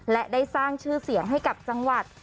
และได้สร้างชื่อเสียงให้กับจังหวัด